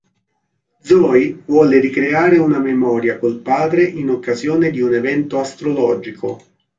Zoey vuole ricreare una memoria col padre in occasione di un evento astrologico.